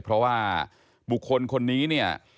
เพราะว่าบุคคลคนนี้เนี่ย